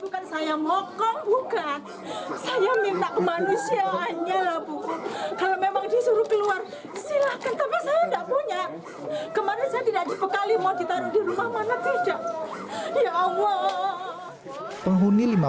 kemarin saya tidak dipekali mau ditaruh di rumah mana tidak